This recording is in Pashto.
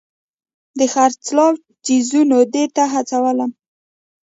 د خرڅلاو څیزونه دې ته هڅولم.